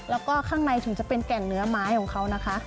แล้วก็ข้างในถึงจะเป็นแก่นเนื้อไม้ของเขานะคะ